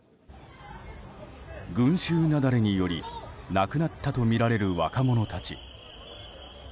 群衆雪崩により亡くなったとみられる若者たち。